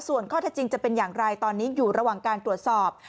ส่วนข้อเท็จจริงจะเป็นอย่างไรตอนนี้อยู่ระหว่างการตรวจสอบ